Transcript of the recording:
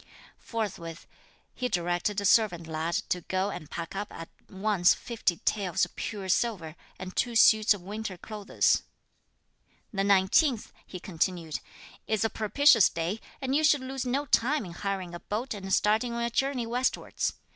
Forthwith, he directed a servant lad to go and pack up at once fifty taels of pure silver and two suits of winter clothes. "The nineteenth," he continued, "is a propitious day, and you should lose no time in hiring a boat and starting on your journey westwards.